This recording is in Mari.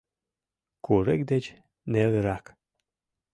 Курык деч нелырак